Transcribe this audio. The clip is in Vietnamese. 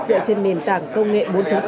dựa trên nền tảng công nghệ bốn